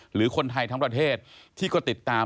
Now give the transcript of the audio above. หรือคนไทยทั้งประเทศที่ก็ติดตาม